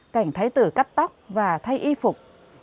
cảnh thái tử cắt tóc và thay y phục